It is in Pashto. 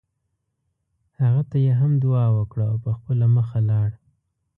هغه ته یې هم دعا وکړه او په خپله مخه لاړ.